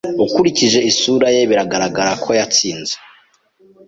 Ukurikije isura ye, bigaragara ko yatsinze.